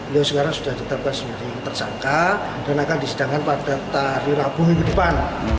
lalu sekarang sudah ditetapkan sebagai tersangka dan akan disidangkan pada tarir abu minggu depan